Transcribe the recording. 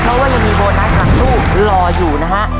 เพราะว่ายังมีโบนัสหลังตู้รออยู่นะฮะ